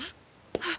あっ。